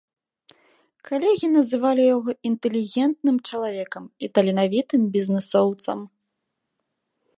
Калегі называлі яго інтэлігентным чалавекам і таленавітым бізнэсоўцам.